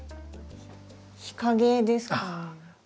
日陰ですかね。